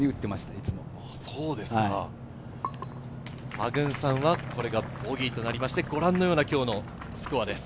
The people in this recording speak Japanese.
パグンサンはこれがボギーとなりまして、ご覧のようなスコアです。